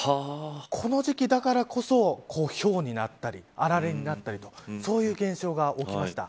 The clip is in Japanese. この時期だからこそひょうになったりあられになったりとそういう現象が起きました。